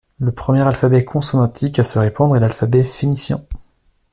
Le premier alphabet consonantique à se répandre est l'alphabet phénicien.